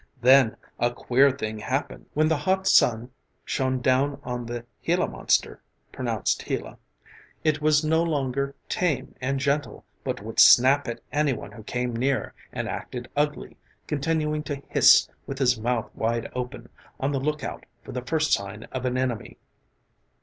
Then a queer thing happened. When the hot sun shone down on the gila monster (pronounced heela) it was no longer tame and gentle, but would snap at anyone who came near and acted ugly, continuing to hiss with his mouth wide open, on the lookout for the first sign of an enemy.